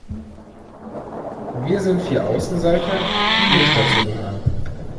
Wir sind vier Außenseiter, die nicht dazugehören.